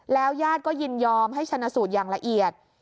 แล้วญาติก็ยินยอมให้ชนสูตรอย่างละเอียด